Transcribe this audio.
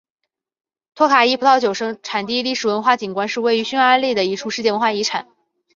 托卡伊葡萄酒产地历史文化景观是位于匈牙利的一处世界文化遗产。